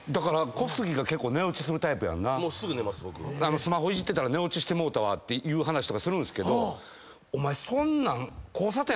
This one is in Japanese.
スマホいじってたら寝落ちしたっていう話とかするんですけどお前そんなん。